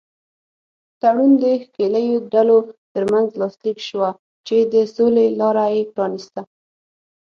تړون د ښکېلو ډلو تر منځ لاسلیک شوه چې د سولې لاره یې پرانیسته.